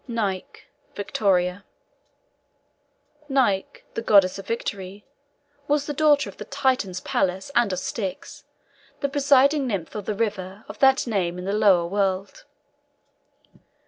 NIKE (VICTORIA). Nike, the goddess of victory, was the daughter of the Titan Pallas, and of Styx, the presiding nymph of the river of that name in the lower world.